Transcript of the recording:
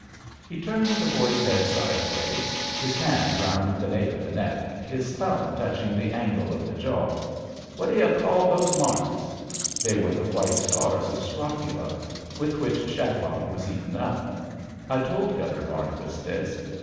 '* He turned the boy's head sideways, his hand round the nape of the neck, his thumb touching the angle of the jaw. What do you call those marks? '* They were the white scars of scrofula^ with which Shacklock was eaten up. I told Gun ner Barnabas this.